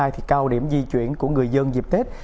thì cao điểm di chuyển của người dân dịp tết